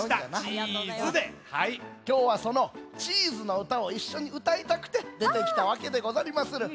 きょうはその「チーズ」のうたをいっしょにうたいたくてでてきたわけでござりまする。